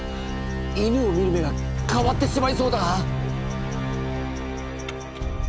犬を見る目が変わってしまいそうだ。